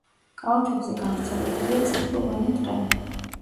კალთებზე გავრცელებულია წიწვოვანი ტყე.